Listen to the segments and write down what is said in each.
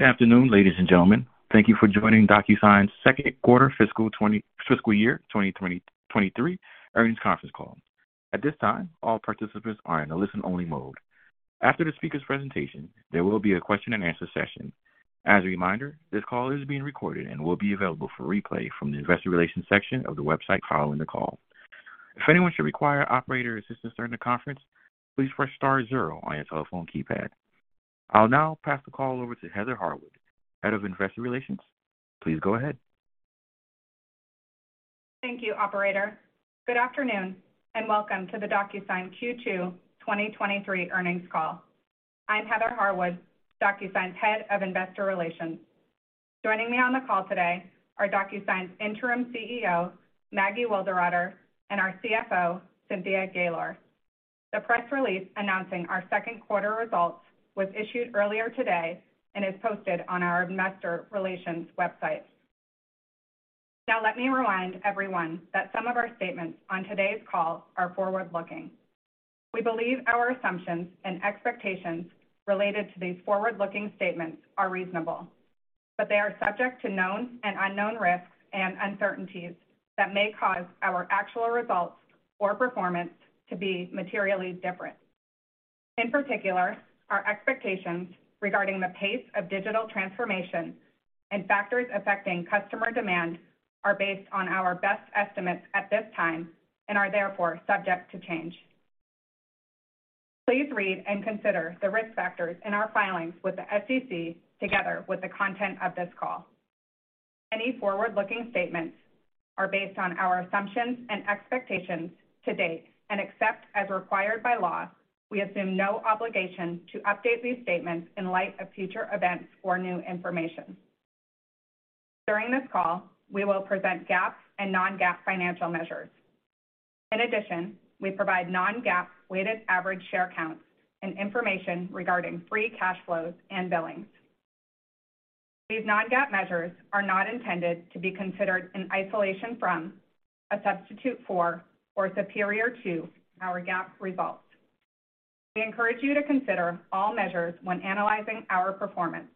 Good afternoon, ladies and gentlemen. Thank you for joining DocuSign's Q2 FY 2023 earnings conference call. At this time, all participants are in a listen-only mode. After the speaker's presentation, there will be a question-and-answer session. As a reminder, this call is being recorded and will be available for replay from the investor relations section of the website following the call. If anyone should require operator assistance during the conference, please press star zero on your telephone keypad. I'll now pass the call over to Heather Harwood, Head of Investor Relations. Please go ahead. Thank you, operator. Good afternoon, and welcome to the DocuSign Q2 2023 earnings call. I'm Heather Harwood, DocuSign's Head of Investor Relations. Joining me on the call today are DocuSign's Interim CEO, Maggie Wilderotter, and our CFO, Cynthia Gaylor. The press release announcing our Q2 results was issued earlier today and is posted on our investor relations website. Now, let me remind everyone that some of our statements on today's call are forward-looking. We believe our assumptions and expectations related to these forward-looking statements are reasonable, but they are subject to known and unknown risks and uncertainties that may cause our actual results or performance to be materially different. In particular, our expectations regarding the pace of digital transformation and factors affecting customer demand are based on our best estimates at this time and are therefore subject to change. Please read and consider the risk factors in our filings with the SEC together with the content of this call. Any forward-looking statements are based on our assumptions and expectations to date, and except as required by law, we assume no obligation to update these statements in light of future events or new information. During this call, we will present GAAP and non-GAAP financial measures. In addition, we provide non-GAAP weighted average share counts and information regarding free cash flows and billings. These non-GAAP measures are not intended to be considered in isolation from, a substitute for, or superior to our GAAP results. We encourage you to consider all measures when analyzing our performance.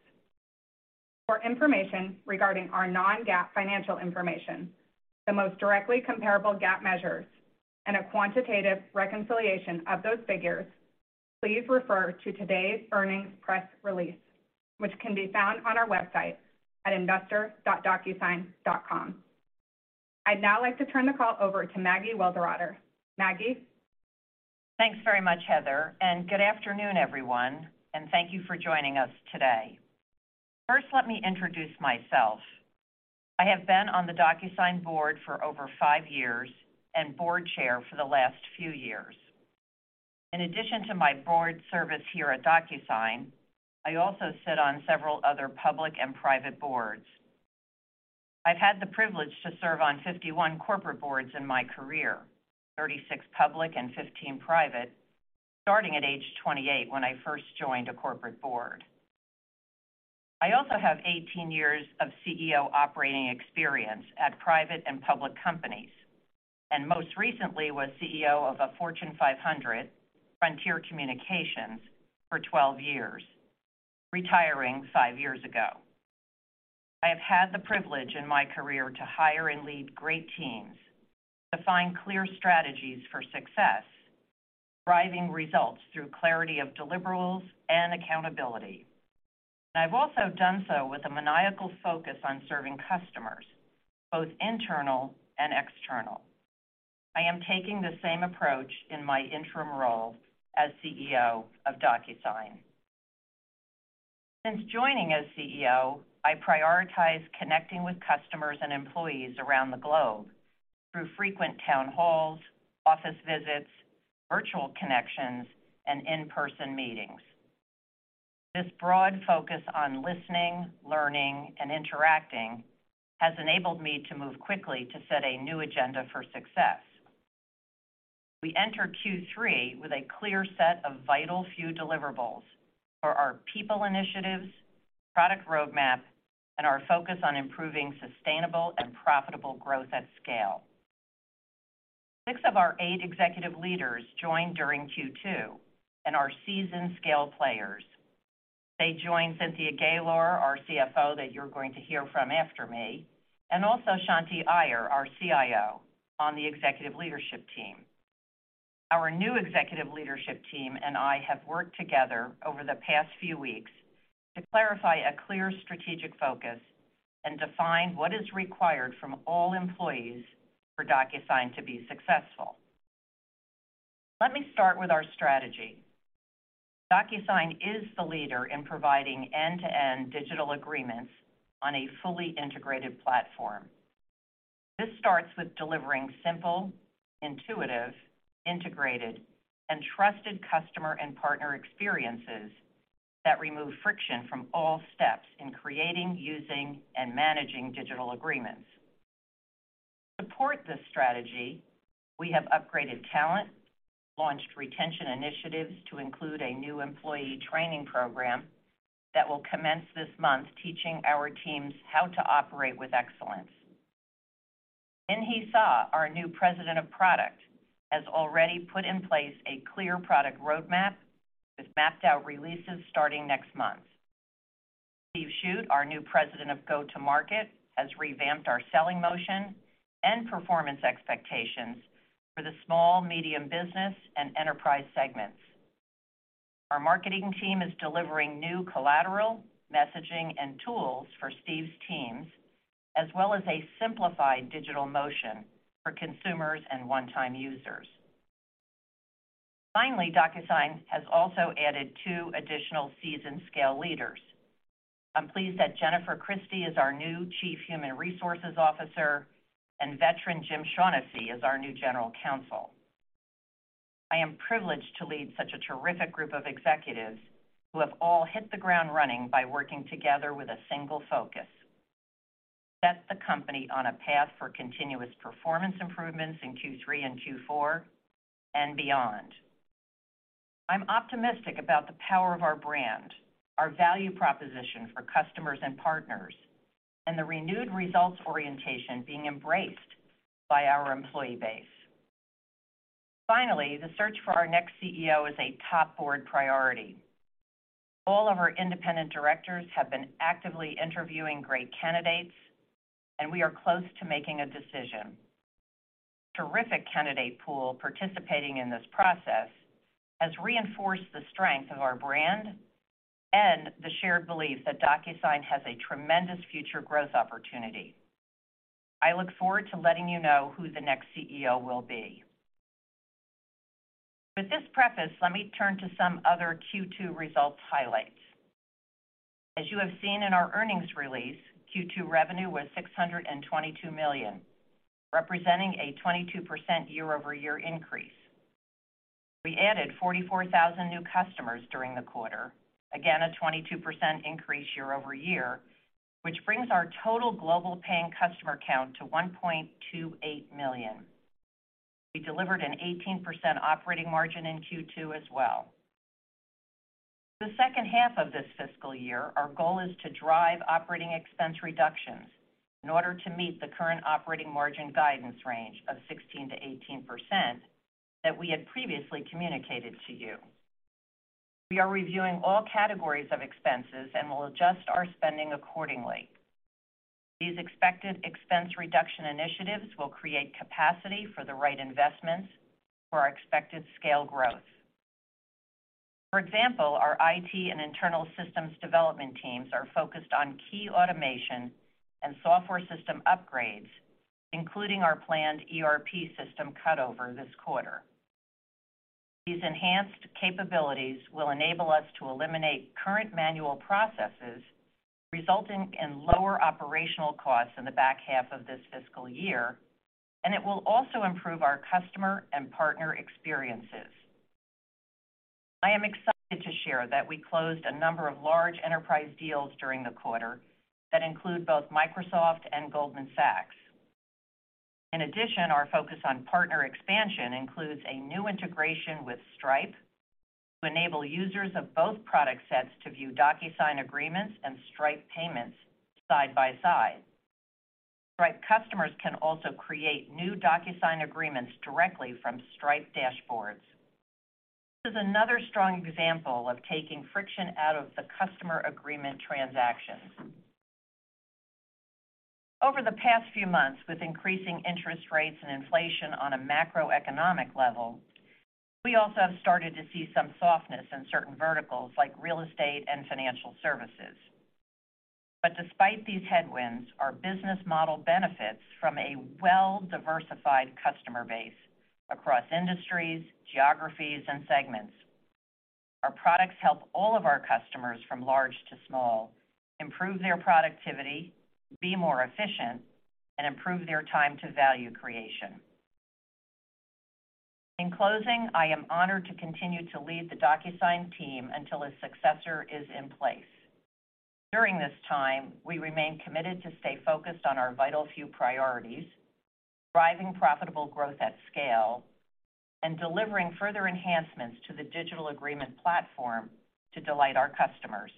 For information regarding our non-GAAP financial information, the most directly comparable GAAP measures, and a quantitative reconciliation of those figures, please refer to today's earnings press release, which can be found on our website at investor.docusign.com. I'd now like to turn the call over to Maggie Wilderotter. Maggie. Thanks very much, Heather, and good afternoon, everyone, and thank you for joining us today. First, let me introduce myself. I have been on the DocuSign board for over 5 years and board chair for the last few years. In addition to my board service here at DocuSign, I also sit on several other public and private boards. I've had the privilege to serve on 51 corporate boards in my career, 36 public and 15 private, starting at age 28 when I first joined a corporate board. I also have 18 years of CEO operating experience at private and public companies, and most recently was CEO of a Fortune 500, Frontier Communications, for 12 years, retiring 5 years ago. I have had the privilege in my career to hire and lead great teams, define clear strategies for success, driving results through clarity of deliverables and accountability. I've also done so with a maniacal focus on serving customers, both internal and external. I am taking the same approach in my interim role as CEO of DocuSign. Since joining as CEO, I prioritize connecting with customers and employees around the globe through frequent town halls, office visits, virtual connections, and in-person meetings. This broad focus on listening, learning, and interacting has enabled me to move quickly to set a new agenda for success. We enter Q3 with a clear set of vital few deliverables for our people initiatives, product roadmap, and our focus on improving sustainable and profitable growth at scale. Six of our eight executive leaders joined during Q2 and are seasoned scale players. They joined Cynthia Gaylor, our CFO, that you're going to hear from after me, and also Shanthi Iyer, our CIO, on the executive leadership team. Our new executive leadership team and I have worked together over the past few weeks to clarify a clear strategic focus and define what is required from all employees for DocuSign to be successful. Let me start with our strategy. DocuSign is the leader in providing end-to-end digital agreements on a fully integrated platform. This starts with delivering simple, intuitive, integrated, and trusted customer and partner experiences that remove friction from all steps in creating, using, and managing digital agreements. To support this strategy, we have upgraded talent, launched retention initiatives to include a new employee training program that will commence this month, teaching our teams how to operate with excellence. Inhi Cho Suh, our new President of Product, has already put in place a clear product roadmap with mapped out releases starting next month. Steve Shute, our new President of Go-to-Market, has revamped our selling motion and performance expectations for the small, medium business, and enterprise segments. Our marketing team is delivering new collateral, messaging, and tools for Steve's teams, as well as a simplified digital motion for consumers and one-time users. Finally, DocuSign has also added two additional seasoned scale leaders. I'm pleased that Jennifer Christie is our new Chief Human Resources Officer and veteran Jim Shaughnessy is our new General Counsel. I am privileged to lead such a terrific group of executives who have all hit the ground running by working together with a single focus. Set the company on a path for continuous performance improvements in Q3 and Q4 and beyond. I'm optimistic about the power of our brand, our value proposition for customers and partners, and the renewed results orientation being embraced by our employee base. Finally, the search for our next CEO is a top board priority. All of our independent directors have been actively interviewing great candidates, and we are close to making a decision. Terrific candidate pool participating in this process has reinforced the strength of our brand and the shared belief that DocuSign has a tremendous future growth opportunity. I look forward to letting you know who the next CEO will be. With this preface, let me turn to some other Q2 results highlights. As you have seen in our earnings release, Q2 revenue was $622 million, representing a 22% year-over-year increase. We added 44,000 new customers during the quarter, again a 22% increase year-over-year, which brings our total global paying customer count to 1.28 million. We delivered an 18% operating margin in Q2 as well. The H2 of this FY, our goal is to drive operating expense reductions in order to meet the current operating margin guidance range of 16%-18% that we had previously communicated to you. We are reviewing all categories of expenses and will adjust our spending accordingly. These expected expense reduction initiatives will create capacity for the right investments for our expected scale growth. For example, our IT and internal systems development teams are focused on key automation and software system upgrades, including our planned ERP system cutover this quarter. These enhanced capabilities will enable us to eliminate current manual processes, resulting in lower operational costs in the back half of this fiscal year, and it will also improve our customer and partner experiences. I am excited to share that we closed a number of large enterprise deals during the quarter that include both Microsoft and Goldman Sachs. In addition, our focus on partner expansion includes a new integration with Stripe to enable users of both product sets to view DocuSign agreements and Stripe payments side by side. Stripe customers can also create new DocuSign agreements directly from Stripe dashboards. This is another strong example of taking friction out of the customer agreement transactions. Over the past few months, with increasing interest rates and inflation on a macroeconomic level, we also have started to see some softness in certain verticals like real estate and financial services. Despite these headwinds, our business model benefits from a well-diversified customer base across industries, geographies, and segments. Our products help all of our customers, from large to small, improve their productivity, be more efficient, and improve their time to value creation. In closing, I am honored to continue to lead the DocuSign team until a successor is in place. During this time, we remain committed to stay focused on our vital few priorities, driving profitable growth at scale, and delivering further enhancements to the digital agreement platform to delight our customers.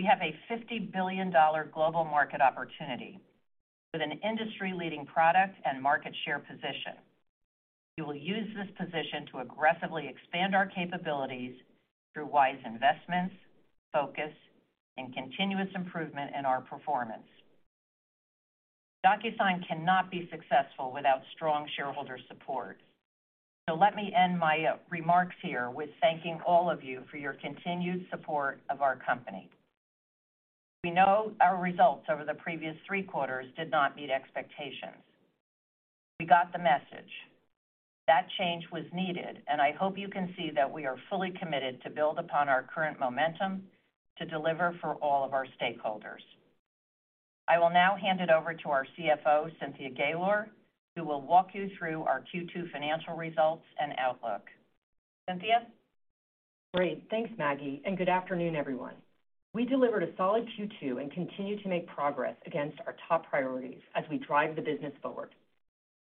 We have a $50 billion global market opportunity with an industry-leading product and market share position. We will use this position to aggressively expand our capabilities through wise investments, focus, and continuous improvement in our performance. DocuSign cannot be successful without strong shareholder support. Let me end my remarks here with thanking all of you for your continued support of our company. We know our results over the previous three quarters did not meet expectations. We got the message. That change was needed, and I hope you can see that we are fully committed to build upon our current momentum to deliver for all of our stakeholders. I will now hand it over to our CFO, Cynthia Gaylor, who will walk you through our Q2 financial results and outlook. Cynthia? Great. Thanks, Maggie, and good afternoon, everyone. We delivered a solid Q2 and continue to make progress against our top priorities as we drive the business forward.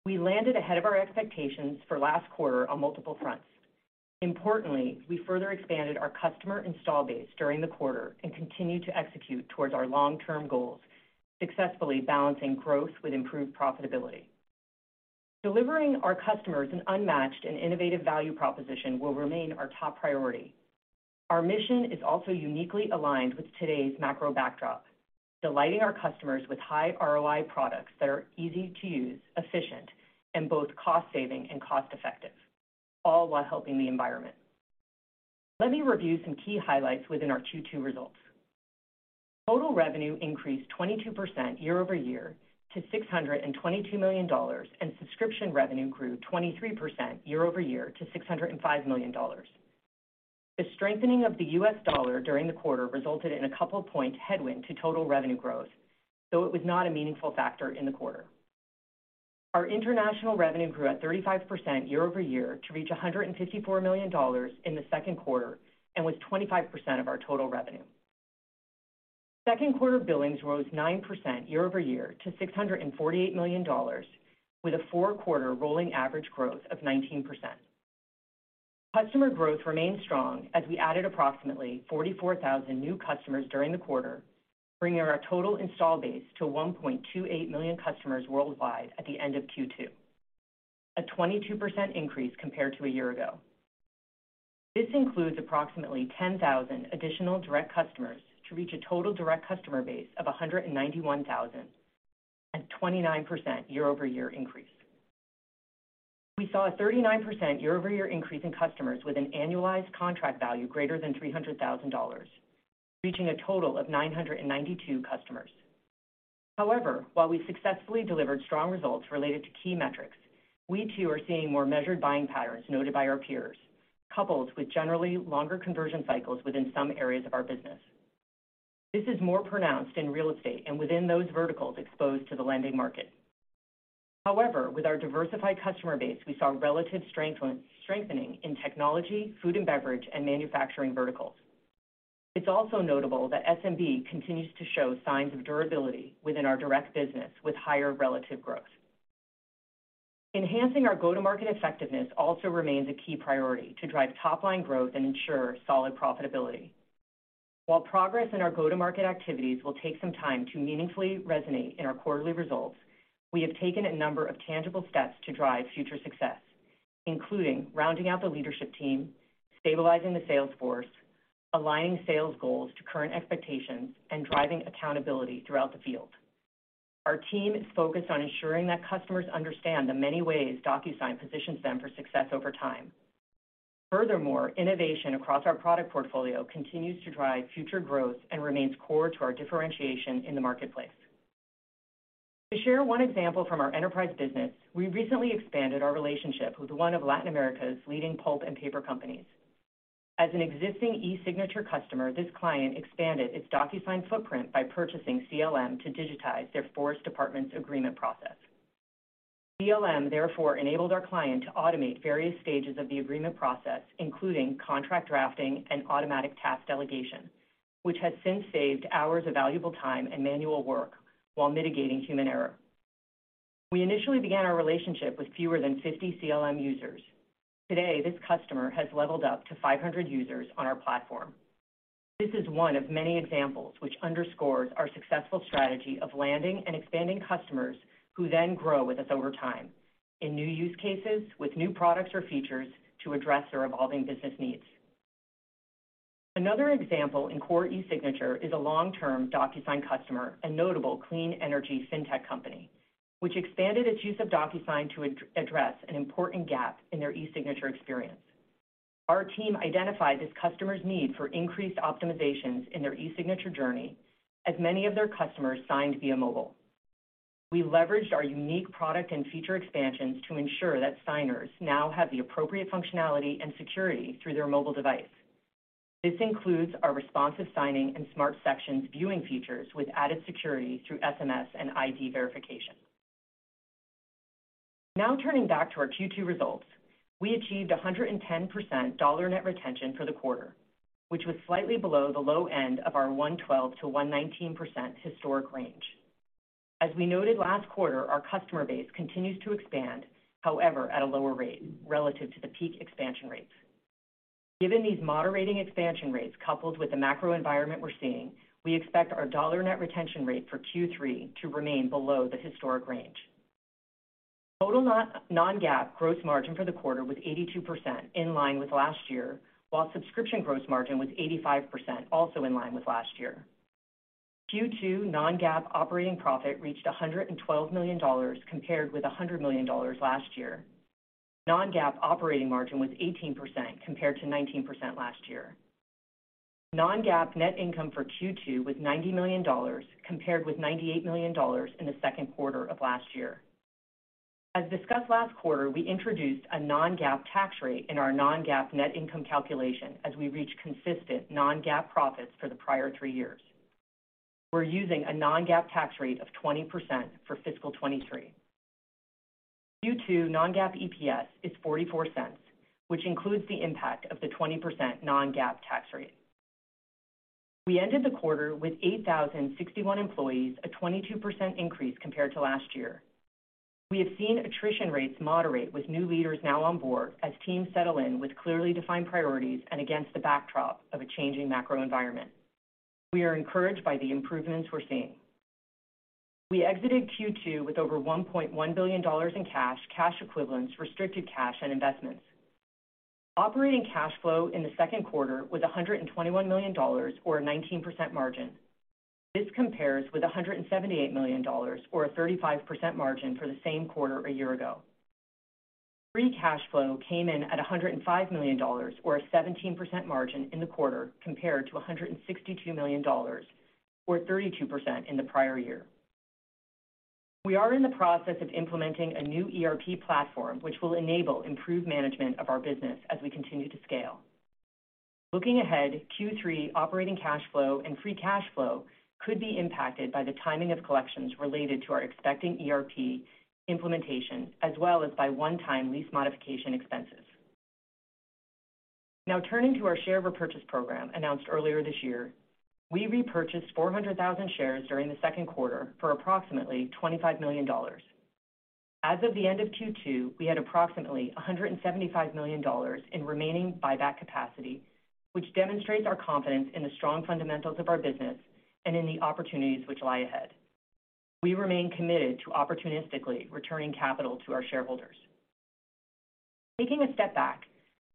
We landed ahead of our expectations for last quarter on multiple fronts. Importantly, we further expanded our customer install base during the quarter and continued to execute towards our long-term goals, successfully balancing growth with improved profitability. Delivering our customers an unmatched and innovative value proposition will remain our top priority. Our mission is also uniquely aligned with today's macro backdrop, delighting our customers with high ROI products that are easy to use, efficient, and both cost-saving and cost-effective, all while helping the environment. Let me review some key highlights within our Q2 results. Total revenue increased 22% year-over-year to $622 million, and subscription revenue grew 23% year-over-year to $605 million. The strengthening of the U.S. dollar during the quarter resulted in a 2-point headwind to total revenue growth, though it was not a meaningful factor in the quarter. Our international revenue grew at 35% year-over-year to reach $154 million in the Q2 and was 25% of our total revenue. Q2 billings rose 9% year-over-year to $648 million, with a 4-quarter rolling average growth of 19%. Customer growth remained strong as we added approximately 44,000 new customers during the quarter, bringing our total install base to 1.28 million customers worldwide at the end of Q2, a 22% increase compared to a year ago. This includes approximately 10,000 additional direct customers to reach a total direct customer base of 191,000, a 29% year-over-year increase. We saw a 39% year-over-year increase in customers with an annualized contract value greater than $300,000, reaching a total of 992 customers. However, while we successfully delivered strong results related to key metrics, we too are seeing more measured buying patterns noted by our peers, coupled with generally longer conversion cycles within some areas of our business. This is more pronounced in real estate and within those verticals exposed to the lending market. However, with our diversified customer base, we saw relative strengthening in technology, food and beverage, and manufacturing verticals. It's also notable that SMB continues to show signs of durability within our direct business with higher relative growth. Enhancing our go-to-market effectiveness also remains a key priority to drive top-line growth and ensure solid profitability. While progress in our go-to-market activities will take some time to meaningfully resonate in our quarterly results, we have taken a number of tangible steps to drive future success, including rounding out the leadership team, stabilizing the sales force, aligning sales goals to current expectations, and driving accountability throughout the field. Our team is focused on ensuring that customers understand the many ways DocuSign positions them for success over time. Furthermore, innovation across our product portfolio continues to drive future growth and remains core to our differentiation in the marketplace. To share one example from our enterprise business, we recently expanded our relationship with one of Latin America's leading pulp and paper companies. As an existing eSignature customer, this client expanded its DocuSign footprint by purchasing CLM to digitize their forest department's agreement process. CLM therefore enabled our client to automate various stages of the agreement process, including contract drafting and automatic task delegation, which has since saved hours of valuable time and manual work while mitigating human error. We initially began our relationship with fewer than 50 CLM users. Today, this customer has leveled up to 500 users on our platform. This is one of many examples which underscores our successful strategy of landing and expanding customers who then grow with us over time in new use cases with new products or features to address their evolving business needs. Another example in core eSignature is a long-term DocuSign customer and notable clean energy fintech company, which expanded its use of DocuSign to address an important gap in their eSignature experience. Our team identified this customer's need for increased optimizations in their eSignature journey, as many of their customers signed via mobile. We leveraged our unique product and feature expansions to ensure that signers now have the appropriate functionality and security through their mobile device. This includes our Responsive Signing and Smart Sections viewing features with added security through SMS and ID verification. Now turning back to our Q2 results, we achieved 110% dollar net retention for the quarter, which was slightly below the low end of our 112%-119% historic range. As we noted last quarter, our customer base continues to expand, however, at a lower rate relative to the peak expansion rates. Given these moderating expansion rates coupled with the macro environment we're seeing, we expect our dollar net retention rate for Q3 to remain below the historic range. Total non-GAAP gross margin for the quarter was 82%, in line with last year, while subscription gross margin was 85%, also in line with last year. Q2 non-GAAP operating profit reached $112 million compared with $100 million last year. Non-GAAP operating margin was 18% compared to 19% last year. Non-GAAP net income for Q2 was $90 million compared with $98 million in the Q2 of last year. As discussed last quarter, we introduced a non-GAAP tax rate in our non-GAAP net income calculation as we reach consistent non-GAAP profits for the prior three years. We're using a non-GAAP tax rate of 20% for fiscal 2023. Q2 non-GAAP EPS is $0.44, which includes the impact of the 20% non-GAAP tax rate. We ended the quarter with 8,061 employees, a 22% increase compared to last year. We have seen attrition rates moderate with new leaders now on board as teams settle in with clearly defined priorities and against the backdrop of a changing macro environment. We are encouraged by the improvements we're seeing. We exited Q2 with over $1.1 billion in cash equivalents, restricted cash, and investments. Operating cash flow in the Q2 was $121 million or a 19% margin. This compares with $178 million or a 35% margin for the same quarter a year ago. Free cash flow came in at $105 million or a 17% margin in the quarter compared to $162 million or 32% in the prior year. We are in the process of implementing a new ERP platform, which will enable improved management of our business as we continue to scale. Looking ahead, Q3 operating cash flow and free cash flow could be impacted by the timing of collections related to our expected ERP implementation as well as by one-time lease modification expenses. Now turning to our share repurchase program announced earlier this year. We repurchased 400,000 shares during the Q2 for approximately $25 million. As of the end of Q2, we had approximately $175 million in remaining buyback capacity, which demonstrates our confidence in the strong fundamentals of our business and in the opportunities which lie ahead. We remain committed to opportunistically returning capital to our shareholders. Taking a step back,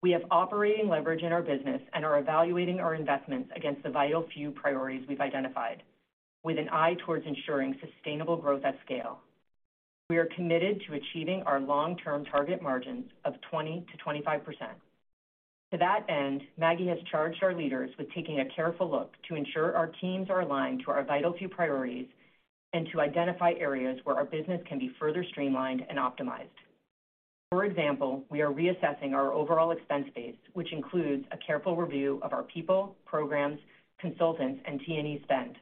we have operating leverage in our business and are evaluating our investments against the vital few priorities we've identified with an eye towards ensuring sustainable growth at scale. We are committed to achieving our long-term target margins of 20%-25%. To that end, Maggie has charged our leaders with taking a careful look to ensure our teams are aligned to our vital few priorities and to identify areas where our business can be further streamlined and optimized. For example, we are reassessing our overall expense base, which includes a careful review of our people, programs, consultants, and T&E spend.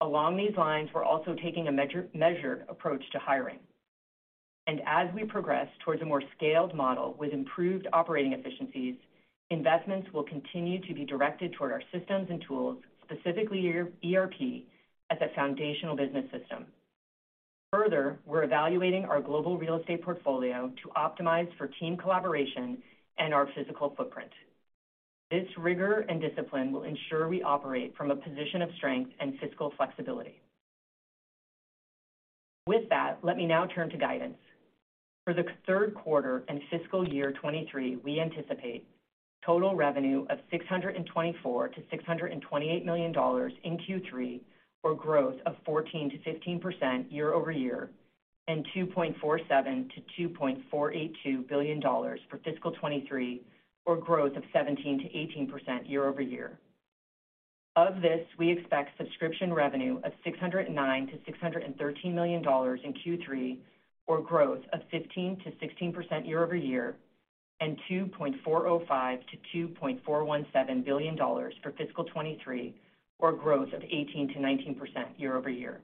Along these lines, we're also taking a measured approach to hiring. As we progress towards a more scaled model with improved operating efficiencies, investments will continue to be directed toward our systems and tools, specifically our ERP, as a foundational business system. Further, we're evaluating our global real estate portfolio to optimize for team collaboration and our physical footprint. This rigor and discipline will ensure we operate from a position of strength and fiscal flexibility. With that, let me now turn to guidance. For the Q3 and FY 2023, we anticipate total revenue of $620 million-$624 million in Q3 or growth of 14%-15% year-over-year, and $2.47 billion-$2.482 billion for fiscal 2023 or growth of 17%-18% year-over-year. Of this, we expect subscription revenue of $609 million-$613 million in Q3 or growth of 15%-16% year-over-year, and $2.405 billion-$2.417 billion for fiscal 2023 or growth of 18%-19% year-over-year.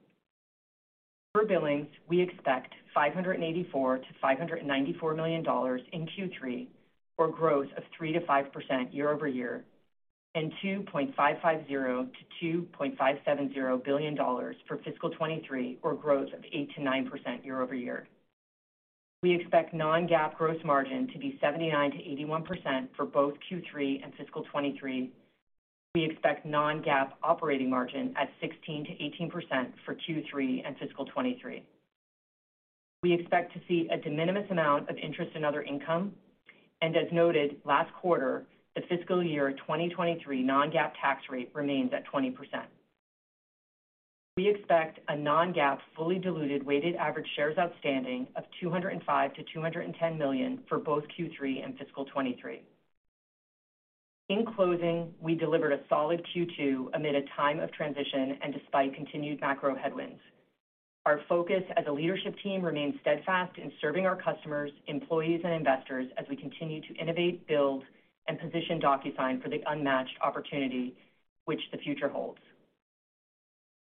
For billings, we expect $584 million-$594 million in Q3 or growth of 3%-5% year-over-year, and $2.550 billion-$2.570 billion for fiscal 2023 or growth of 8%-9% year-over-year. We expect non-GAAP gross margin to be 79%-81% for both Q3 and fiscal 2023. We expect non-GAAP operating margin at 16%-18% for Q3 and fiscal 2023. We expect to see a de minimis amount of interest in other income. As noted last quarter, the FY 2023 non-GAAP tax rate remains at 20%. We expect a non-GAAP fully diluted weighted average shares outstanding of 205 million-210 million for both Q3 and fiscal 2023. In closing, we delivered a solid Q2 amid a time of transition and despite continued macro headwinds. Our focus as a leadership team remains steadfast in serving our customers, employees, and investors as we continue to innovate, build, and position DocuSign for the unmatched opportunity which the future holds.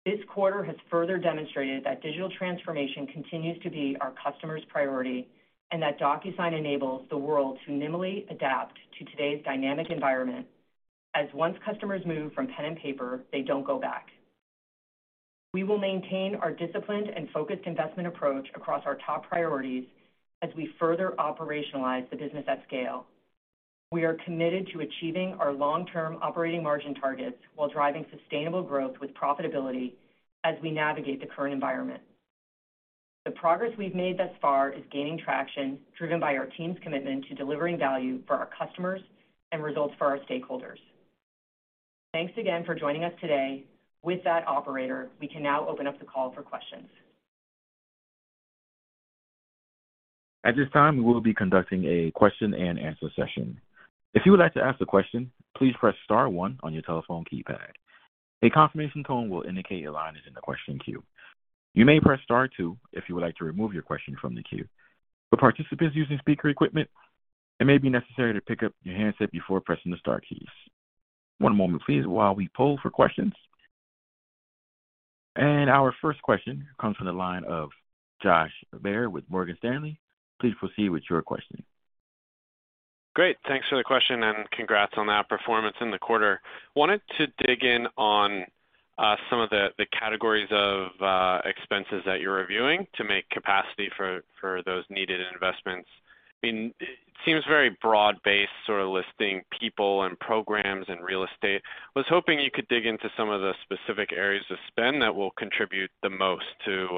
This quarter has further demonstrated that digital transformation continues to be our customers' priority and that DocuSign enables the world to nimbly adapt to today's dynamic environment and once customers move from pen and paper, they don't go back. We will maintain our disciplined and focused investment approach across our top priorities as we further operationalize the business at scale. We are committed to achieving our long-term operating margin targets while driving sustainable growth with profitability as we navigate the current environment. The progress we've made thus far is gaining traction, driven by our team's commitment to delivering value for our customers and results for our stakeholders. Thanks again for joining us today. With that, operator, we can now open up the call for questions. At this time, we will be conducting a question and answer session. If you would like to ask a question, please press star one on your telephone keypad. A confirmation tone will indicate your line is in the question queue. You may press star two if you would like to remove your question from the queue. For participants using speaker equipment, it may be necessary to pick up your handset before pressing the star keys. One moment please while we poll for questions. Our first question comes from the line of Josh Baer with Morgan Stanley. Please proceed with your questioning. Great. Thanks for the question, and congrats on that performance in the quarter. Wanted to dig in on some of the categories of expenses that you're reviewing to make capacity for those needed investments. I mean, it seems very broad-based, sort of listing people and programs and real estate. Was hoping you could dig into some of the specific areas of spend that will contribute the most to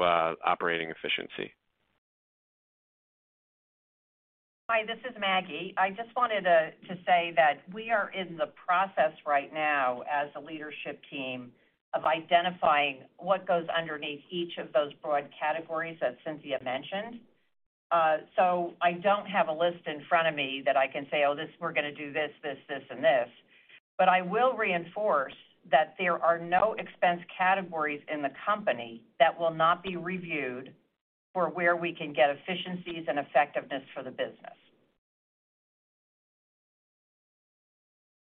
operating efficiency. Hi, this is Maggie Wilderotter. I just wanted to say that we are in the process right now as a leadership team of identifying what goes underneath each of those broad categories that Cynthia Gaylor mentioned. I don't have a list in front of me that I can say, "We're gonna do this, this, and this." I will reinforce that there are no expense categories in the company that will not be reviewed for where we can get efficiencies and effectiveness for the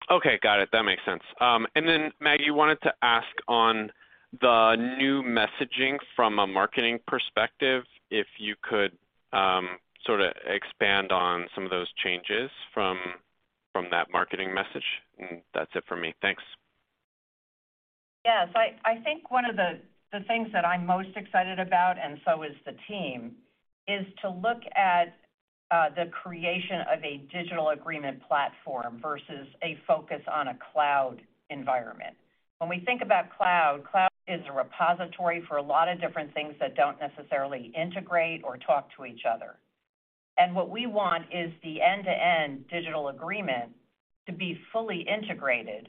business. Okay. Got it. That makes sense. Maggie, wanted to ask on the new messaging from a marketing perspective, if you could, sorta expand on some of those changes from that marketing message. That's it for me. Thanks. Yes. I think one of the things that I'm most excited about, and so is the team, is to look at the creation of a digital agreement platform versus a focus on a cloud environment. When we think about cloud is a repository for a lot of different things that don't necessarily integrate or talk to each other. What we want is the end-to-end digital agreement to be fully integrated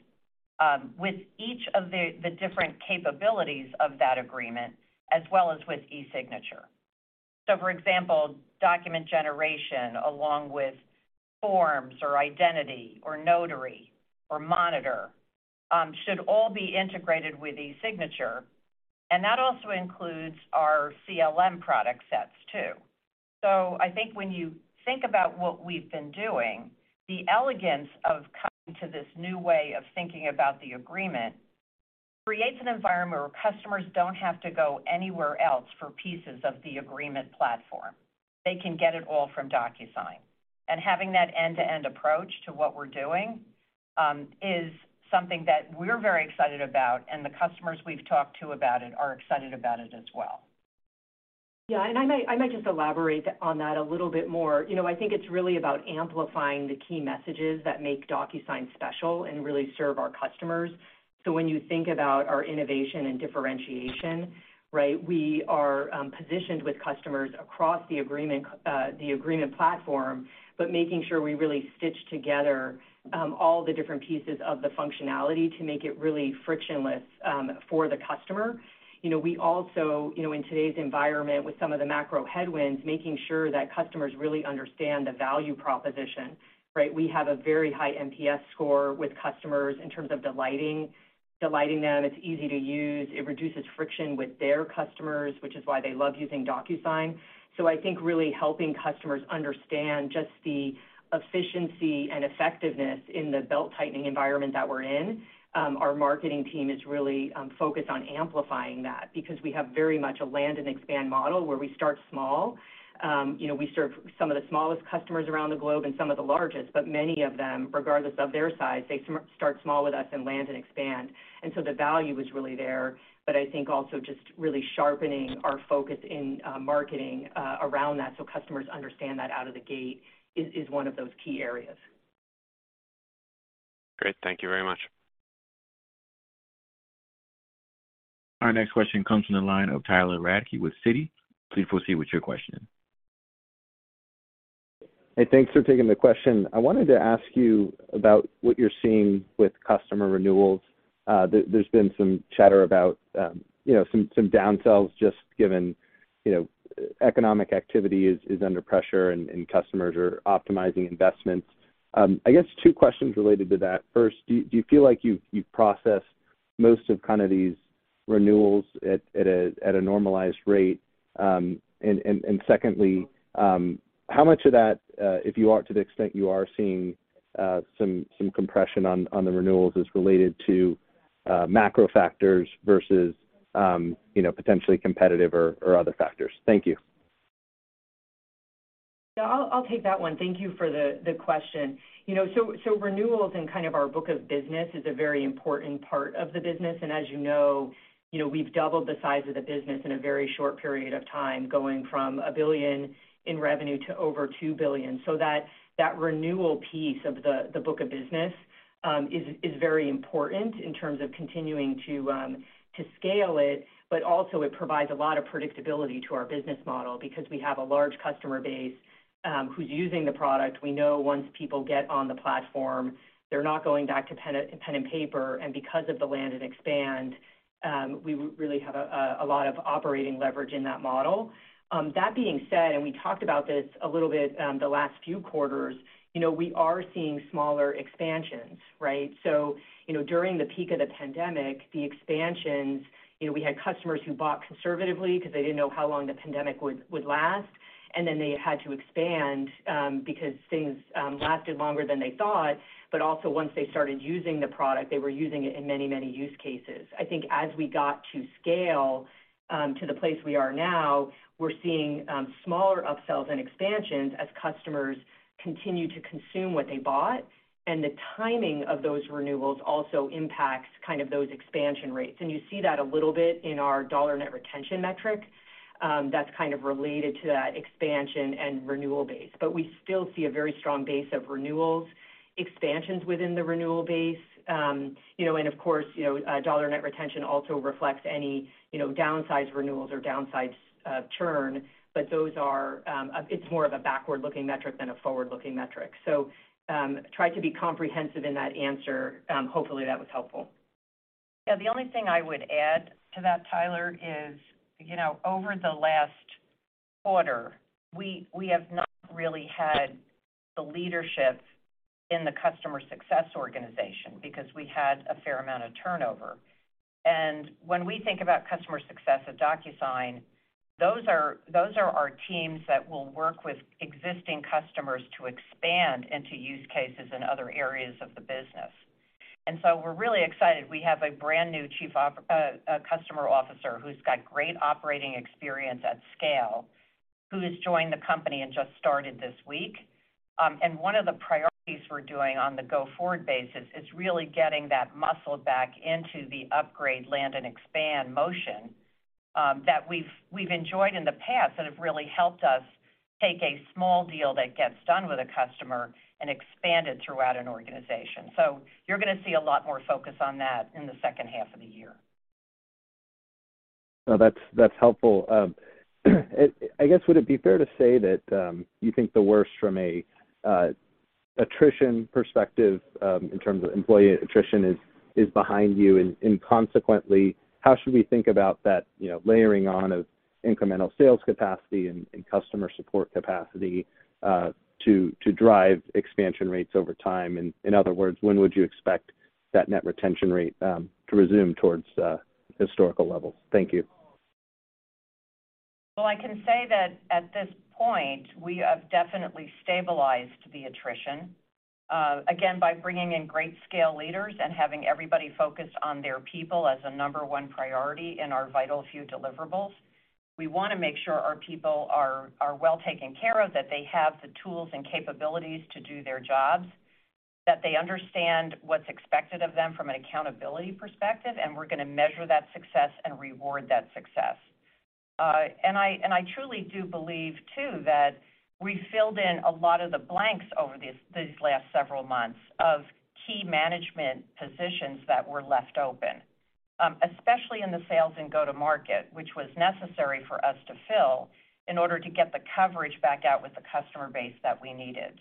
with each of the different capabilities of that agreement, as well as with eSignature. For example, document generation along with Web Forms or Identify or Notary or Monitor should all be integrated with eSignature, and that also includes our CLM product sets too. I think when you think about what we've been doing, the elegance of coming to this new way of thinking about the agreement creates an environment where customers don't have to go anywhere else for pieces of the agreement platform. They can get it all from DocuSign. Having that end-to-end approach to what we're doing is something that we're very excited about, and the customers we've talked to about it are excited about it as well. Yeah. I might just elaborate on that a little bit more. You know, I think it's really about amplifying the key messages that make DocuSign special and really serve our customers. When you think about our innovation and differentiation, right, we are positioned with customers across the agreement platform, but making sure we really stitch together all the different pieces of the functionality to make it really frictionless for the customer. You know, we also, you know, in today's environment with some of the macro headwinds, making sure that customers really understand the value proposition, right? We have a very high NPS score with customers in terms of delighting them. It's easy to use. It reduces friction with their customers, which is why they love using DocuSign. I think really helping customers understand just the efficiency and effectiveness in the belt-tightening environment that we're in, our marketing team is really focused on amplifying that because we have very much a land and expand model where we start small. You know, we serve some of the smallest customers around the globe and some of the largest, but many of them, regardless of their size, they start small with us and land and expand. The value is really there. I think also just really sharpening our focus in marketing around that so customers understand that out of the gate is one of those key areas. Great. Thank you very much. Our next question comes from the line of Tyler Radke with Citi. Please proceed with your question. Hey, thanks for taking the question. I wanted to ask you about what you're seeing with customer renewals. There's been some chatter about, you know, some downsells just given, you know, economic activity is under pressure and customers are optimizing investments. I guess two questions related to that. First, do you feel like you've processed most of kind of these renewals at a normalized rate? Secondly, how much of that, if you are, to the extent you are seeing, some compression on the renewals is related to macro factors versus, you know, potentially competitive or other factors? Thank you. Yeah. I'll take that one. Thank you for the question. You know, renewals in kind of our book of business is a very important part of the business. As you know, we've doubled the size of the business in a very short period of time, going from $1 billion in revenue to over $2 billion. That renewal piece of the book of business is very important in terms of continuing to scale it, but also it provides a lot of predictability to our business model because we have a large customer base who's using the product. We know once people get on the platform, they're not going back to pen and paper. Because of the land and expand, we really have a lot of operating leverage in that model. That being said, we talked about this a little bit, the last few quarters, you know, we are seeing smaller expansions, right? You know, during the peak of the pandemic, the expansions, you know, we had customers who bought conservatively 'cause they didn't know how long the pandemic would last, and then they had to expand, because things lasted longer than they thought. Also once they started using the product, they were using it in many, many use cases. I think as we got to scale, to the place we are now, we're seeing, smaller upsells and expansions as customers continue to consume what they bought, and the timing of those renewals also impacts kind of those expansion rates. You see that a little bit in our dollar net retention metric, that's kind of related to that expansion and renewal base. We still see a very strong base of renewals, expansions within the renewal base. You know, and of course, you know, dollar net retention also reflects any, you know, downsize renewals or downsize churn, but those are, it's more of a backward-looking metric than a forward-looking metric. Try to be comprehensive in that answer. Hopefully, that was helpful. Yeah, the only thing I would add to that, Tyler, is, you know, over the last quarter, we have not really had the leadership in the customer success organization because we had a fair amount of turnover. When we think about customer success at DocuSign, those are our teams that will work with existing customers to expand into use cases in other areas of the business. We're really excited. We have a brand new chief customer officer who's got great operating experience at scale, who has joined the company and just started this week. One of the priorities we're doing on the go-forward basis is really getting that muscle back into the upgrade land and expand motion, that we've enjoyed in the past that have really helped us take a small deal that gets done with a customer and expand it throughout an organization. You're gonna see a lot more focus on that in the second half of the year. No, that's helpful. I guess, would it be fair to say that you think the worst from a attrition perspective, in terms of employee attrition is behind you? Consequently, how should we think about that, you know, layering on of incremental sales capacity and customer support capacity to drive expansion rates over time? In other words, when would you expect that net retention rate to resume towards historical levels? Thank you. Well, I can say that at this point, we have definitely stabilized the attrition, again, by bringing in great scale leaders and having everybody focused on their people as a number one priority in our vital few deliverables. We wanna make sure our people are well taken care of, that they have the tools and capabilities to do their jobs, that they understand what's expected of them from an accountability perspective, and we're gonna measure that success and reward that success. I truly do believe too, that we filled in a lot of the blanks over these last several months of key management positions that were left open, especially in the sales and go-to-market, which was necessary for us to fill in order to get the coverage back out with the customer base that we needed.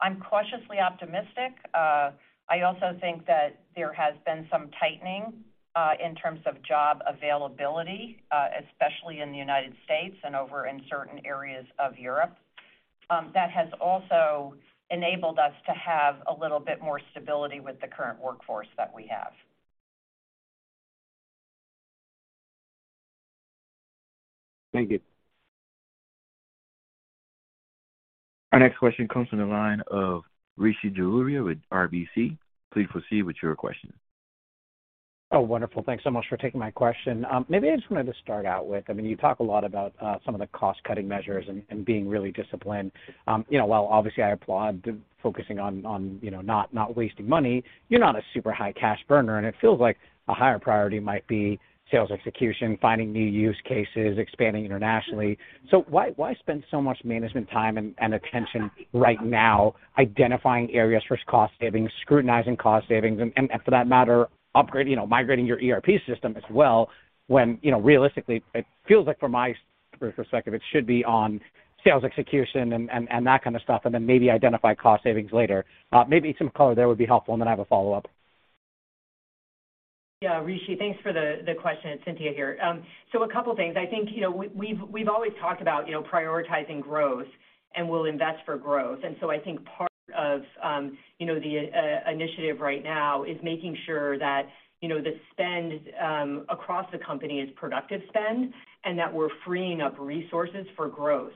I'm cautiously optimistic. I also think that there has been some tightening in terms of job availability, especially in the United States and over in certain areas of Europe. That has also enabled us to have a little bit more stability with the current workforce that we have. Thank you. Our next question comes from the line of Rishi Jaluria with RBC. Please proceed with your question. Oh, wonderful. Thanks so much for taking my question. Maybe I just wanted to start out with, I mean, you talk a lot about some of the cost-cutting measures and being really disciplined. You know, while obviously I applaud the focusing on you know not wasting money, you're not a super high cash burner, and it feels like a higher priority might be sales execution, finding new use cases, expanding internationally. Why spend so much management time and attention right now identifying areas for cost savings, scrutinizing cost savings, and for that matter, upgrading you know migrating your ERP system as well, when you know realistically it feels like from my perspective it should be on sales execution and that kind of stuff, and then maybe identify cost savings later. Maybe some color there would be helpful, and then I have a follow-up. Yeah, Rishi, thanks for the question. It's Cynthia here. A couple of things. I think, you know, we've always talked about, you know, prioritizing growth, and we'll invest for growth. I think part of, you know, the initiative right now is making sure that, you know, the spend across the company is productive spend and that we're freeing up resources for growth.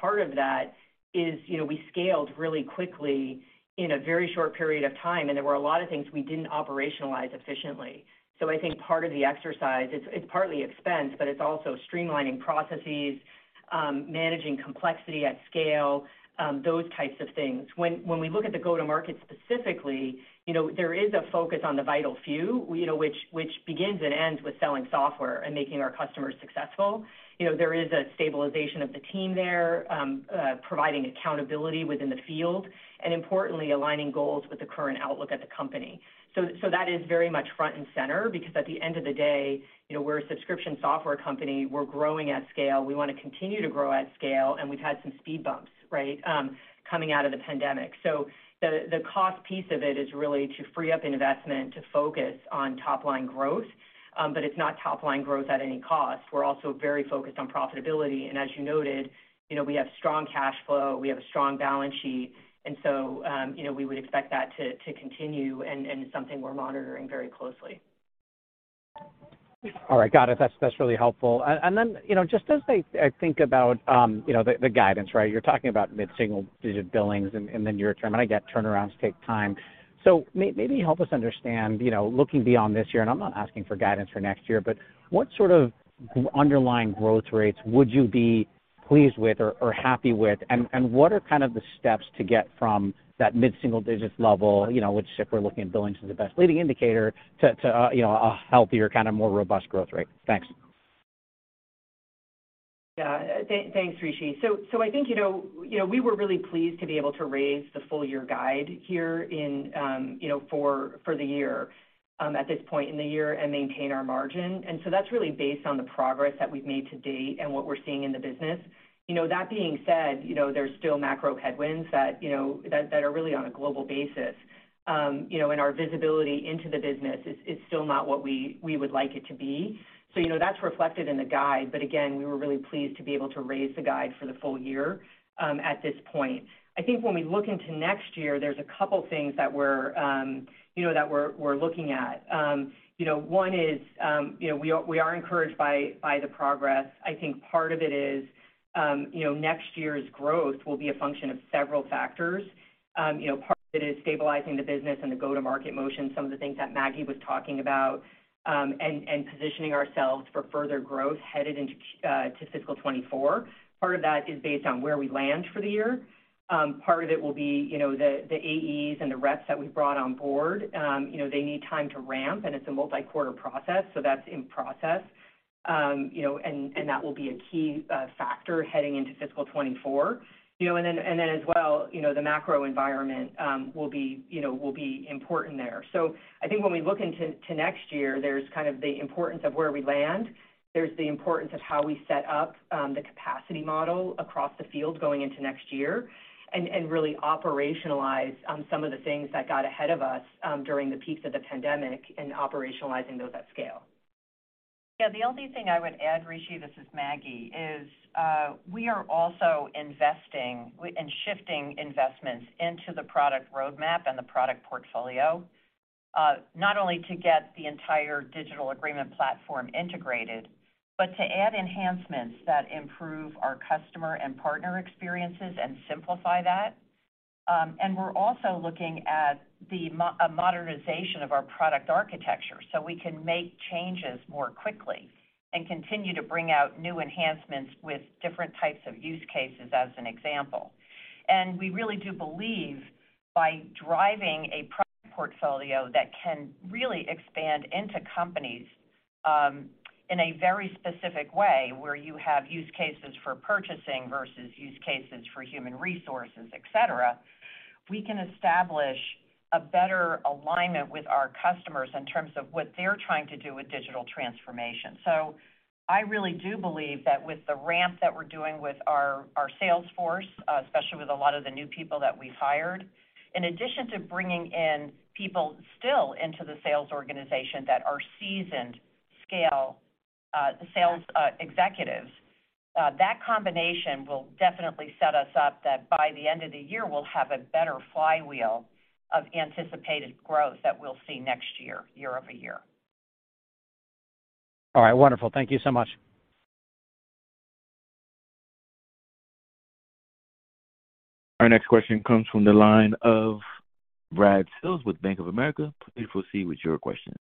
Part of that is, you know, we scaled really quickly in a very short period of time, and there were a lot of things we didn't operationalize efficiently. I think part of the exercise is partly expense, but it's also streamlining processes, managing complexity at scale, those types of things. When we look at the go-to-market specifically, you know, there is a focus on the vital few, you know, which begins and ends with selling software and making our customers successful. You know, there is a stabilization of the team there, providing accountability within the field, and importantly, aligning goals with the current outlook at the company. That is very much front and center because at the end of the day, you know, we're a subscription software company, we're growing at scale, we wanna continue to grow at scale, and we've had some speed bumps, right, coming out of the pandemic. The cost piece of it is really to free up investment to focus on top-line growth, but it's not top-line growth at any cost. We're also very focused on profitability. As you noted, you know, we have strong cash flow, we have a strong balance sheet, and so, you know, we would expect that to continue and something we're monitoring very closely. All right. Got it. That's really helpful. You know, just as I think about, you know, the guidance, right? You're talking about mid-single-digit billings and then your turnaround, and I get turnarounds take time. Maybe help us understand, you know, looking beyond this year, and I'm not asking for guidance for next year, but what sort of underlying growth rates would you be pleased with or happy with? What are kind of the steps to get from that mid-single-digits level, you know, which if we're looking at billings as the best leading indicator to, you know, a healthier, kind of more robust growth rate? Thanks. Yeah. Thanks, Rishi. I think, you know, we were really pleased to be able to raise the full year guide here, you know, for the year, at this point in the year and maintain our margin. That's really based on the progress that we've made to date and what we're seeing in the business. You know, that being said, you know, there's still macro headwinds that are really on a global basis. Our visibility into the business is still not what we would like it to be. That's reflected in the guide, but again, we were really pleased to be able to raise the guide for the full year, at this point. I think when we look into next year, there's a couple things that we're, you know, looking at. You know, one is, you know, we are encouraged by the progress. I think part of it is, you know, next year's growth will be a function of several factors. You know, part of it is stabilizing the business and the go-to-market motion, some of the things that Maggie was talking about, and positioning ourselves for further growth headed into fiscal 2024. Part of that is based on where we land for the year. Part of it will be, you know, the AEs and the reps that we brought on board. You know, they need time to ramp, and it's a multi-quarter process, so that's in process. You know, that will be a key factor heading into fiscal 2024. You know, and then as well, you know, the macro environment will be important there. I think when we look into next year, there's kind of the importance of where we land. There's the importance of how we set up the capacity model across the field going into next year and really operationalize some of the things that got ahead of us during the peaks of the pandemic and operationalizing those at scale. Yeah. The only thing I would add, Rishi, this is Maggie, is, we are also investing and shifting investments into the product roadmap and the product portfolio, not only to get the entire digital agreement platform integrated, but to add enhancements that improve our customer and partner experiences and simplify that. We're also looking at the modernization of our product architecture, so we can make changes more quickly and continue to bring out new enhancements with different types of use cases as an example. We really do believe by driving a product portfolio that can really expand into companies, in a very specific way, where you have use cases for purchasing versus use cases for human resources, et cetera, we can establish a better alignment with our customers in terms of what they're trying to do with digital transformation. I really do believe that with the ramp that we're doing with our sales force, especially with a lot of the new people that we've hired, in addition to bringing in people still into the sales organization that are seasoned sales executives, that combination will definitely set us up that by the end of the year, we'll have a better flywheel of anticipated growth that we'll see next year-over-year. All right. Wonderful. Thank you so much. Our next question comes from the line of Brad Sills with Bank of America. Please proceed with your question.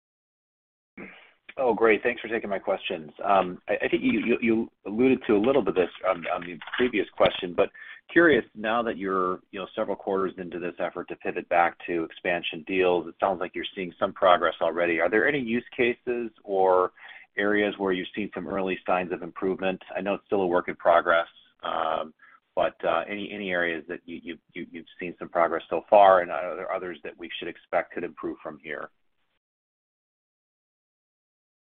Oh, great. Thanks for taking my questions. I think you alluded to a little to this on the previous question, but curious, now that you're, you know, several quarters into this effort to pivot back to expansion deals, it sounds like you're seeing some progress already. Are there any use cases or areas where you've seen some early signs of improvement? I know it's still a work in progress, but any areas that you've seen some progress so far, and are there others that we should expect could improve from here?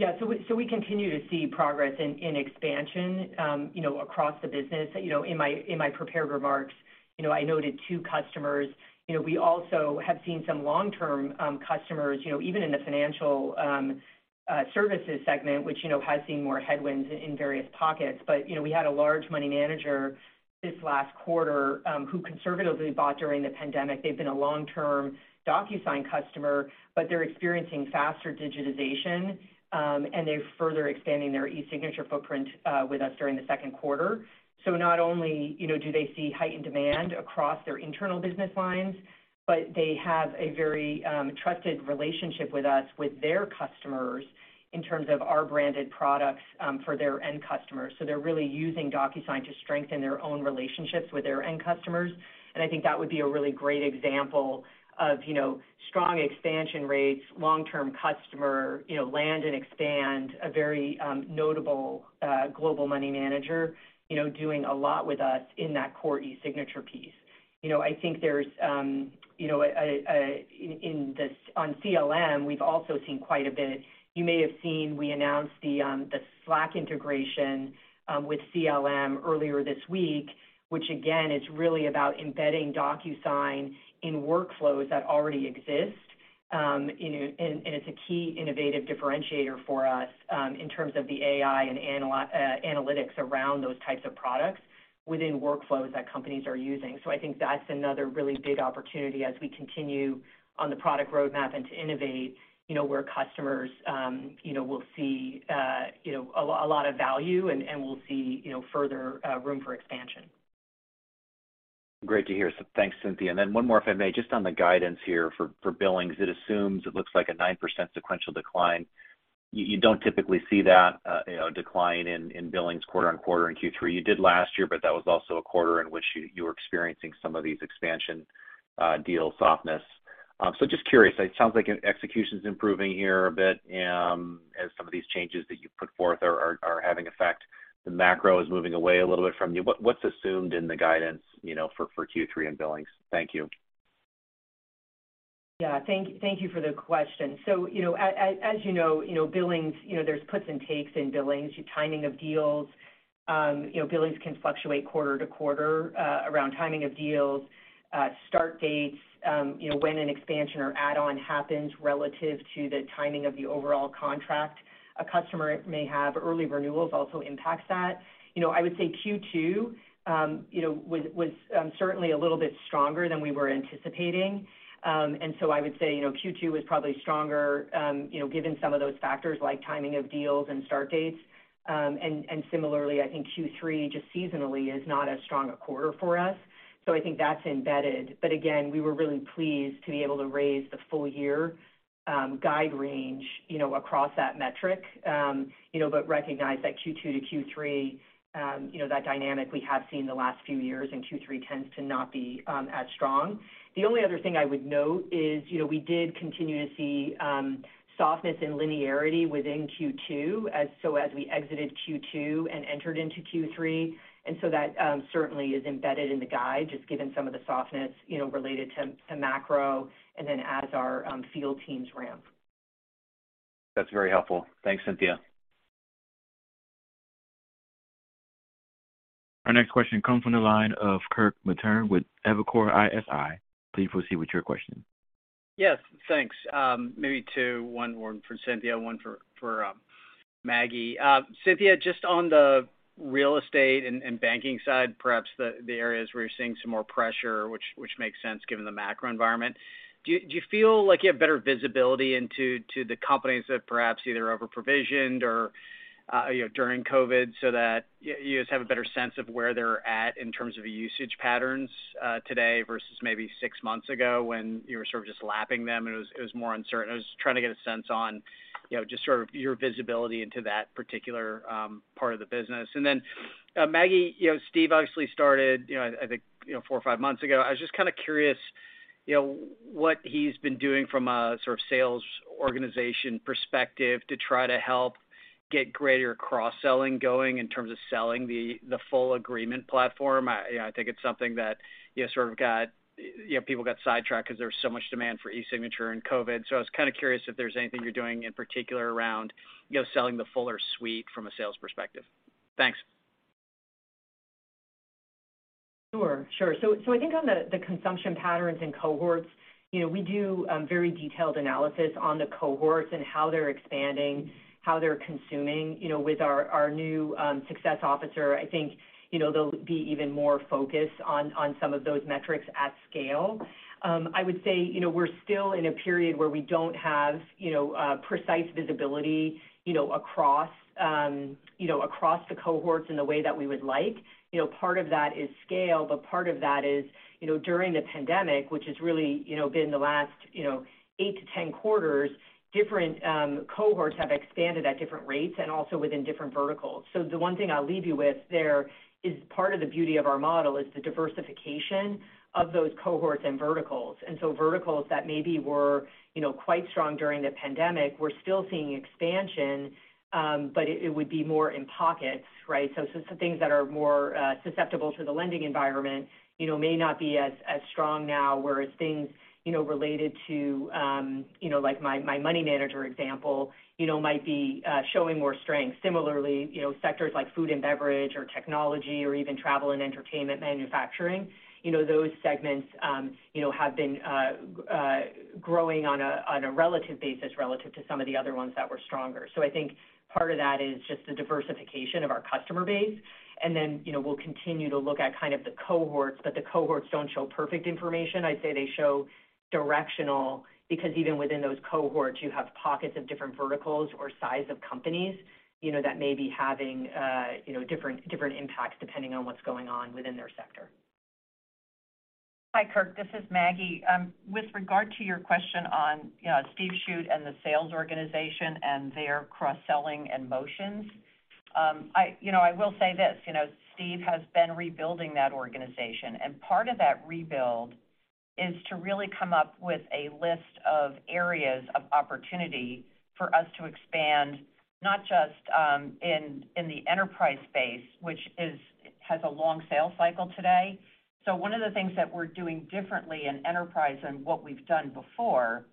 Yeah. So we continue to see progress in expansion, you know, across the business. You know, in my prepared remarks, you know, I noted two customers. You know, we also have seen some long-term customers, you know, even in the financial services segment, which, you know, has seen more headwinds in various pockets. We had a large money manager this last quarter, who conservatively bought during the pandemic. They've been a long-term DocuSign customer, but they're experiencing faster digitization, and they're further expanding their eSignature footprint with us during the Q2. Not only, you know, do they see heightened demand across their internal business lines, but they have a very trusted relationship with us, with their customers in terms of our branded products for their end customers. They're really using DocuSign to strengthen their own relationships with their end customers. I think that would be a really great example of, you know, strong expansion rates, long-term customer, you know, land and expand a very notable global money manager, you know, doing a lot with us in that core eSignature piece. I think there's on CLM, we've also seen quite a bit. You may have seen, we announced the Slack integration with CLM earlier this week, which again, is really about embedding DocuSign in workflows that already exist. It's a key innovative differentiator for us in terms of the AI and analytics around those types of products within workflows that companies are using. I think that's another really big opportunity as we continue on the product roadmap and to innovate, you know, where customers, you know, will see, you know, a lot of value and we'll see, you know, further room for expansion. Great to hear. Thanks, Cynthia. One more, if I may, just on the guidance here for billings, it assumes it looks like a 9% sequential decline. You don't typically see that, you know, decline in billings quarter-over-quarter in Q3. You did last year, but that was also a quarter in which you were experiencing some of these expansion deal softness. Just curious, it sounds like execution's improving here a bit, as some of these changes that you've put forth are having effect. The macro is moving away a little bit from you. What's assumed in the guidance, you know, for Q3 and billings? Thank you. Yeah. Thank you for the question. So, you know, as you know, you know, billings, you know, there's puts and takes in billings. Your timing of deals, you know, billings can fluctuate quarter-to-quarter, around timing of deals, start dates, you know, when an expansion or add-on happens relative to the timing of the overall contract. A customer may have early renewals also impacts that. You know, I would say Q2, you know, was certainly a little bit stronger than we were anticipating. I would say, you know, Q2 was probably stronger, you know, given some of those factors like timing of deals and start dates. Similarly, I think Q3 just seasonally is not as strong a quarter for us. I think that's embedded. Again, we were really pleased to be able to raise the full-year guide range, you know, across that metric. You know, recognize that Q2 to Q3, you know, that dynamic we have seen the last few years, and Q3 tends to not be as strong. The only other thing I would note is, you know, we did continue to see softness in linearity within Q2 so as we exited Q2 and entered into Q3. That certainly is embedded in the guide, just given some of the softness, you know, related to macro and then as our field teams ramp. That's very helpful. Thanks, Cynthia. Our next question comes from the line of Kirk Materne with Evercore ISI. Please proceed with your question. Yes, thanks. Maybe two, one for Cynthia, one for Maggie. Cynthia, just on the real estate and banking side, perhaps the areas where you're seeing some more pressure, which makes sense given the macro environment. Do you feel like you have better visibility into the companies that perhaps either over-provisioned or you know, during COVID so that you just have a better sense of where they're at in terms of the usage patterns today versus maybe six months ago when you were sort of just lapping them and it was more uncertain? I was trying to get a sense on you know, just sort of your visibility into that particular part of the business. Maggie, you know, Steve obviously started you know, I think you know, four or five months ago. I was just kind of curious, you know, what he's been doing from a sort of sales organization perspective to try to help get greater cross-selling going in terms of selling the full agreement platform. I, you know, I think it's something that you sort of got, you know, people got sidetracked 'cause there was so much demand for eSignature and COVID. I was kind of curious if there's anything you're doing in particular around, you know, selling the fuller suite from a sales perspective. Thanks. Sure. I think on the consumption patterns and cohorts, you know, we do very detailed analysis on the cohorts and how they're expanding, how they're consuming, you know, with our new success officer. I think, you know, they'll be even more focused on some of those metrics at scale. I would say, you know, we're still in a period where we don't have, you know, precise visibility, you know, across, you know, across the cohorts in the way that we would like. You know, part of that is scale, but part of that is, you know, during the pandemic, which has really, you know, been the last 8-10 quarters, different cohorts have expanded at different rates and also within different verticals. The one thing I'll leave you with there is part of the beauty of our model is the diversification of those cohorts and verticals. Verticals that maybe were, you know, quite strong during the pandemic, we're still seeing expansion, but it would be more in pockets, right? Some things that are more susceptible to the lending environment, you know, may not be as strong now, whereas things, you know, related to, you know, like my money manager example, you know, might be showing more strength. Similarly, you know, sectors like food and beverage or technology or even travel and entertainment, manufacturing, you know, those segments, you know, have been growing on a relative basis relative to some of the other ones that were stronger. I think part of that is just the diversification of our customer base. You know, we'll continue to look at kind of the cohorts, but the cohorts don't show perfect information. I'd say they show directional because even within those cohorts, you have pockets of different verticals or size of companies, you know, that may be having, you know, different impacts depending on what's going on within their sector. Hi, Kirk. This is Maggie. With regard to your question on, you know, Steve Shute and the sales organization and their cross-selling and motions, I, you know, I will say this. You know, Steve has been rebuilding that organization, and part of that rebuild is to really come up with a list of areas of opportunity for us to expand, not just in the enterprise space, which has a long sales cycle today. One of the things that we're doing differently in enterprise and what we've done before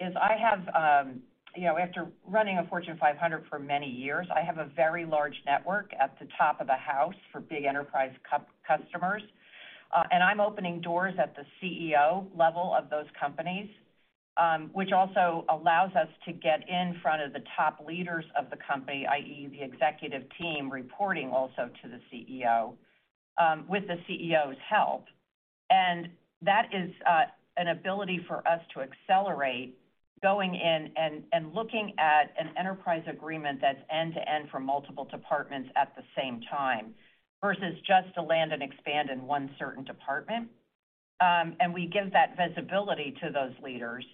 is I have, you know, after running a Fortune 500 for many years, I have a very large network at the top of the house for big enterprise customers, and I'm opening doors at the CEO level of those companies, which also allows us to get in front of the top leaders of the company, i.e., the executive team reporting also to the CEO, with the CEO's help. That is an ability for us to accelerate going in and looking at an enterprise agreement that's end-to-end for multiple departments at the same time versus just to land and expand in one certain department. We give that visibility to those leaders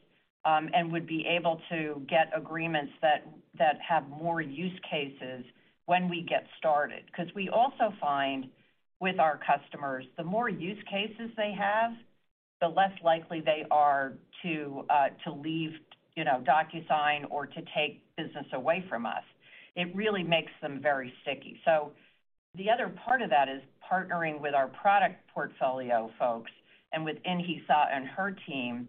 and would be able to get agreements that have more use cases when we get started. 'Cause we also find with our customers, the more use cases they have, the less likely they are to leave, you know, DocuSign or to take business away from us. It really makes them very sticky. The other part of that is partnering with our product portfolio folks and with Inhi Suh and her team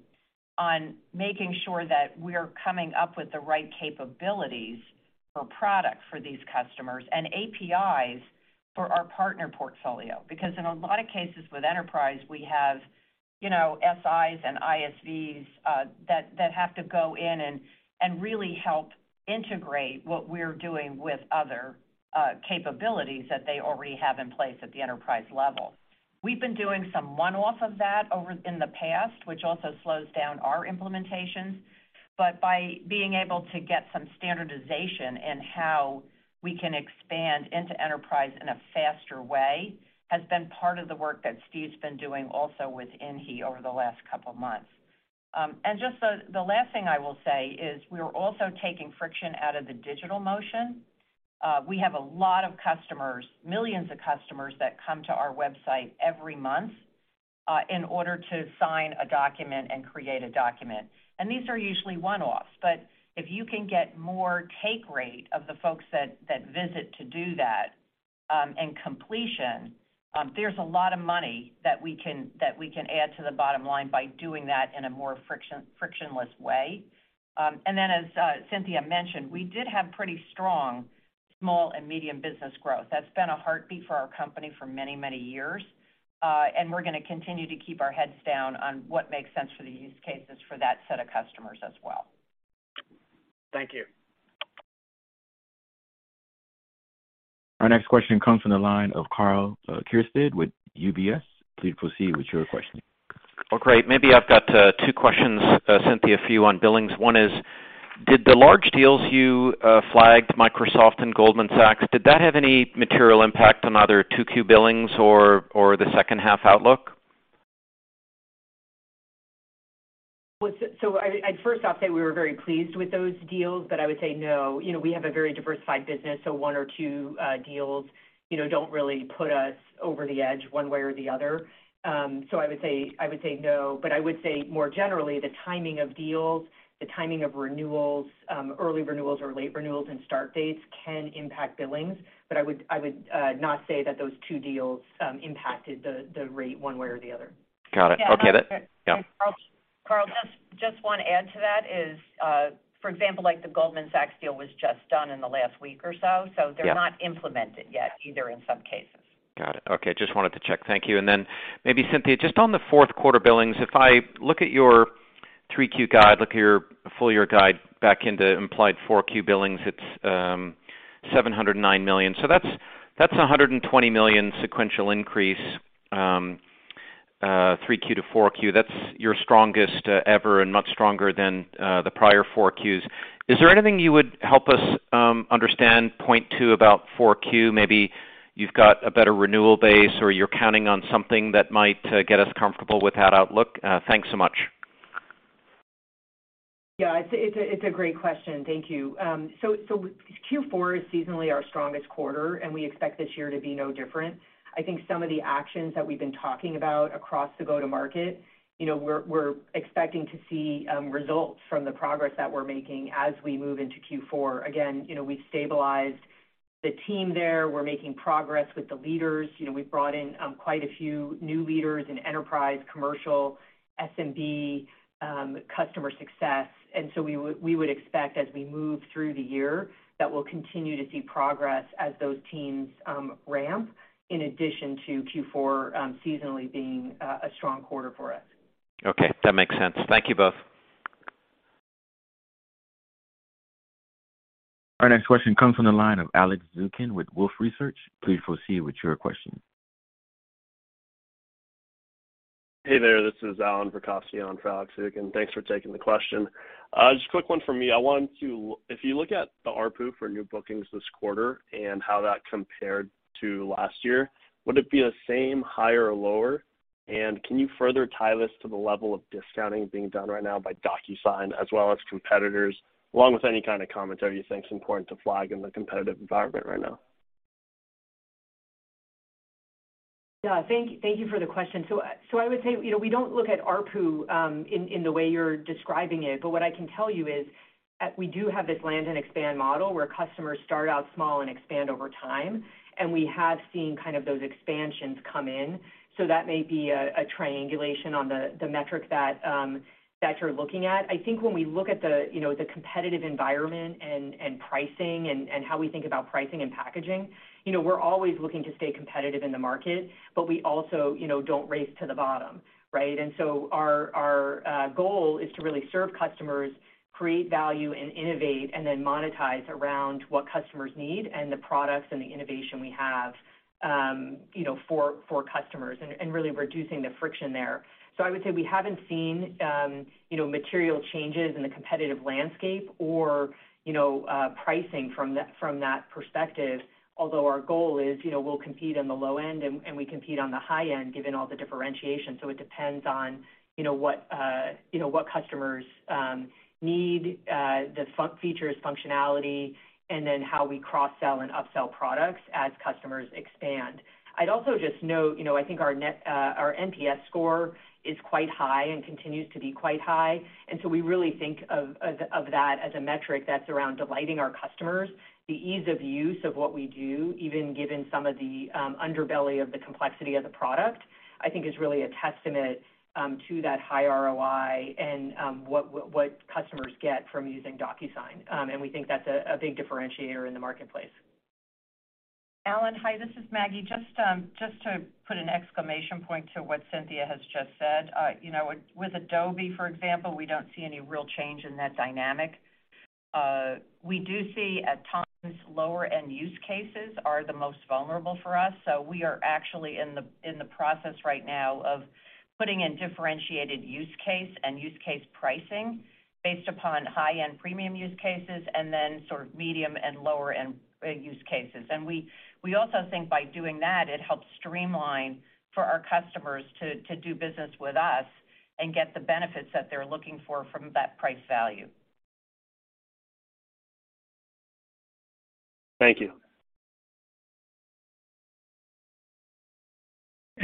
on making sure that we're coming up with the right capabilities for products for these customers and APIs for our partner portfolio. Because in a lot of cases with enterprise, we have, you know, SIs and ISVs that have to go in and really help integrate what we're doing with other capabilities that they already have in place at the enterprise level. We've been doing some one-off of that over in the past, which also slows down our implementations. By being able to get some standardization in how we can expand into enterprise in a faster way, has been part of the work that Steve's been doing also with Inhi over the last couple of months. Just the last thing I will say is we're also taking friction out of the digital motion. We have a lot of customers, millions of customers that come to our website every month, in order to sign a document and create a document. These are usually one-offs. If you can get more take rate of the folks that visit to do that, and completion, there's a lot of money that we can add to the bottom line by doing that in a more frictionless way. As Cynthia mentioned, we did have pretty strong small and medium business growth. That's been a heartbeat for our company for many, many years, we're gonna continue to keep our heads down on what makes sense for the use cases for that set of customers as well. Thank you. Our next question comes from the line of Karl Keirstead with UBS. Please proceed with your question. Oh, great. Maybe I've got 2 questions, Cynthia, for you on billings. One is, did the large deals you flagged Microsoft and Goldman Sachs, did that have any material impact on either Q2 billings or the second half outlook? I'd first off say we were very pleased with those deals, but I would say no. You know, we have a very diversified business, so one or two deals, you know, don't really put us over the edge one way or the other. I would say no. I would say more generally, the timing of deals, the timing of renewals, early renewals or late renewals and start dates can impact billings. I would not say that those two deals impacted the rate one way or the other. Got it. Okay. Yeah. Yeah. Karl Keirstead, just wanna add to that is, for example, like the Goldman Sachs deal was just done in the last week or so. Yeah. They're not implemented yet either in some cases. Got it. Okay. Just wanted to check. Thank you. Maybe Cynthia, just on the Q4 billings, if I look at your Q3 guide, look at your full year guide back into implied Q4 billings, it's $709 million. So that's $120 million sequential increase, Q3 to Q4. That's your strongest ever and much stronger than the prior Q4s. Is there anything you would help us understand, point to about Q4? Maybe you've got a better renewal base, or you're counting on something that might get us comfortable with that outlook. Thanks so much. Yeah. It's a great question. Thank you. So Q4 is seasonally our strongest quarter, and we expect this year to be no different. I think some of the actions that we've been talking about across the go-to-market, you know, we're expecting to see results from the progress that we're making as we move into Q4. Again, you know, we've stabilized the team there. We're making progress with the leaders. You know, we've brought in quite a few new leaders in enterprise, commercial, SMB, customer success. We would expect as we move through the year, that we'll continue to see progress as those teams ramp, in addition to Q4 seasonally being a strong quarter for us. Okay. That makes sense. Thank you both. Our next question comes from the line of Alex Zukin with Wolfe Research. Please proceed with your question. Hey there, this is Allan Verkhovski for Alex Zukin. Thanks for taking the question. Just a quick one for me. If you look at the ARPU for new bookings this quarter and how that compared to last year, would it be the same, higher or lower? Can you further tie this to the level of discounting being done right now by DocuSign as well as competitors, along with any kind of commentary you think is important to flag in the competitive environment right now? Yeah. Thank you for the question. I would say, you know, we don't look at ARPU in the way you're describing it, but what I can tell you is we do have this land and expand model where customers start out small and expand over time. We have seen kind of those expansions come in. That may be a triangulation on the metric that you're looking at. I think when we look at the, you know, the competitive environment and pricing and how we think about pricing and packaging, you know, we're always looking to stay competitive in the market, but we also, you know, don't race to the bottom, right? Our goal is to really serve customers, create value and innovate and then monetize around what customers need and the products and the innovation we have, you know, for customers and really reducing the friction there. I would say we haven't seen, you know, material changes in the competitive landscape or, you know, pricing from that, from that perspective, although our goal is, you know, we'll compete on the low end and we compete on the high end given all the differentiation. It depends on, you know, what, you know, what customers need, the features, functionality, and then how we cross-sell and upsell products as customers expand. I'd also just note, you know, I think our NPS score is quite high and continues to be quite high. We really think of that as a metric that's around delighting our customers. The ease of use of what we do, even given some of the underbelly of the complexity of the product, I think is really a testament to that high ROI and what customers get from using DocuSign. We think that's a big differentiator in the marketplace. Allan, hi, this is Maggie. Just to put an exclamation point to what Cynthia has just said. You know, with Adobe, for example, we don't see any real change in that dynamic. We do see at times lower end use cases are the most vulnerable for us. We are actually in the process right now of putting in differentiated use case and use case pricing based upon high-end premium use cases and then sort of medium and lower end use cases. We also think by doing that, it helps streamline for our customers to do business with us and get the benefits that they're looking for from that price value. Thank you.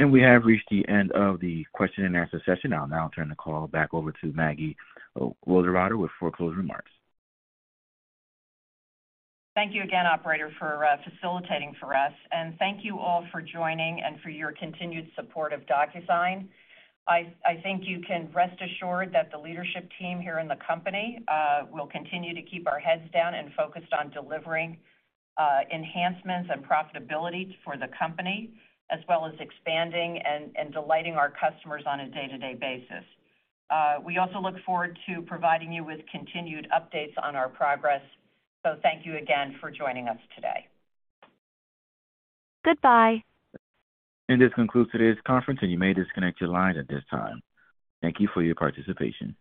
We have reached the end of the question and answer session. I'll now turn the call back over to Maggie Wilderotter with closing remarks. Thank you again, operator, for facilitating for us. Thank you all for joining and for your continued support of DocuSign. I think you can rest assured that the leadership team here in the company will continue to keep our heads down and focused on delivering enhancements and profitability for the company, as well as expanding and delighting our customers on a day-to-day basis. We also look forward to providing you with continued updates on our progress. Thank you again for joining us today. Goodbye. This concludes today's conference, and you may disconnect your lines at this time. Thank you for your participation.